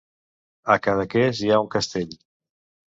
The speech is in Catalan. A Cadaqués hi ha un castell.